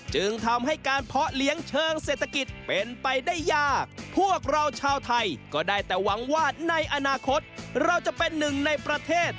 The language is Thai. หวังว่าในอนาคตเราจะเป็นหนึ่งในประเทศ